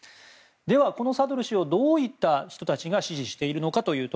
ではサドル師をどういった人たちが支持しているのか。